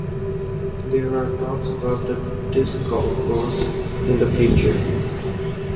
There are talks about a disk golf course in the future.